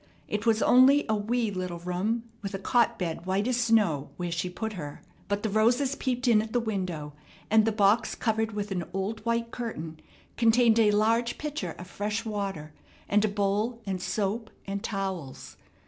It was only a wee little room with a cot bed white as snow where she put her; but the roses peeped in at the window, and the box covered with an old white curtain contained a large pitcher of fresh water and a bowl and soap and towels.